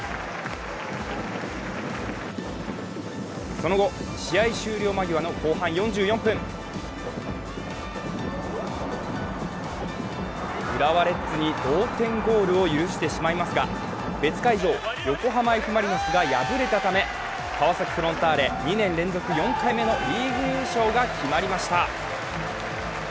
その後、試合終了間際の後半４４分浦和レッズに同点ゴールを許してしまいますが、別会場、横浜Ｆ・マリノスが敗れたため川崎フロンターレ、２年連続４回目のリーグ優勝が決まりました。